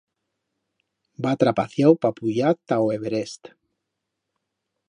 Va atrapaciau pa puyar ta o Everest.